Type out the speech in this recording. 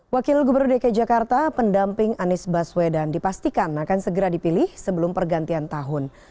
wakil gubernur dki jakarta pendamping anies baswedan dipastikan akan segera dipilih sebelum pergantian tahun